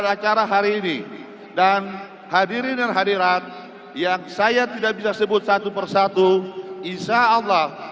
allahumma baligh makasidana ya allah